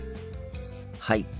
はい。